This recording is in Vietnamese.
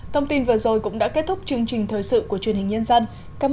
thông tin vừa rồi cũng đã kết thúc chương trình thời sự của truyền hình nhân dân